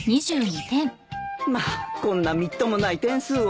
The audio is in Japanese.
まあこんなみっともない点数を取って。